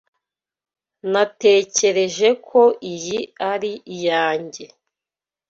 Natekereje ko iyi ari iyanjye.